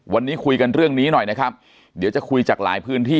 วันนี้คุยกันเรื่องนี้หน่อยนะครับเดี๋ยวจะคุยจากหลายพื้นที่